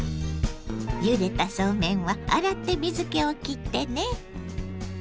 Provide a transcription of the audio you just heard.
ゆでたそうめんは洗って水けをきってね。